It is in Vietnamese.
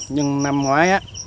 nhưng năm ngoái